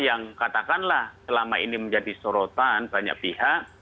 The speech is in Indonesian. yang katakanlah selama ini menjadi sorotan banyak pihak